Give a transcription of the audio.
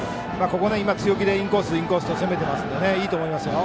強気でインコース、インコースと攻めてますのでいいと思いますよ。